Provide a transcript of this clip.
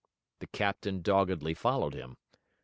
The captain doggedly followed him.